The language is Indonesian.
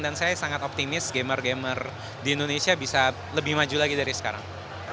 dan saya sangat optimis gamer gamer di indonesia bisa lebih maju lagi dari sekarang